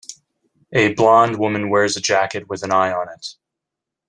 A blond women wears a jacket with an eye on it.